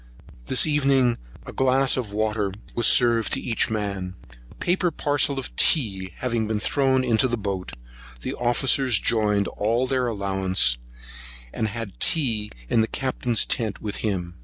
This evening a wine glass of water was served to each man. A paper parcel of tea having been thrown into the boat, the officers joined all their allowance, and had tea in the Captain's tent with him.